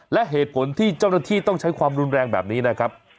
และเหตุผลที่เจ้าหน้าที่ต้องใช้ความรุนแรงแบบนี้นะครับ